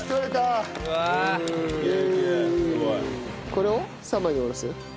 これを３枚におろす？